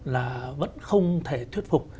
là vẫn không thể thuyết phục